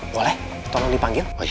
boleh tolong dipanggil